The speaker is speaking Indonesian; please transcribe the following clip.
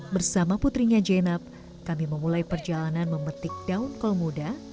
bersama putrinya jenab kami memulai perjalanan memetik daun kol muda